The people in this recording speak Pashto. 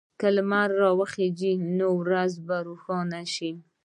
که لمر راوخېژي، نو ورځ به روښانه شي.